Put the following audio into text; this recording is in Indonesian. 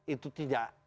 itu tidak sesuai